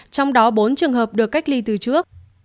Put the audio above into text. trong đó bốn trường hợp được cách ly từ trước